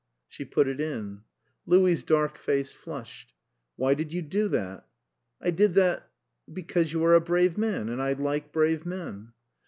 She put it in. Louis's dark face flushed. "Why did you do that?" "I did that Because you are a brave man, and I like brave men."